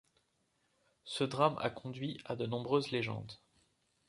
Ce drame a conduit à de nombreuses légendes.